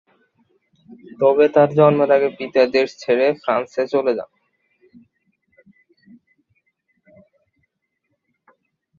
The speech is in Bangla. তবে তার জন্মের আগে পিতা দেশ ছেড়ে ফ্রান্সে চলে যান।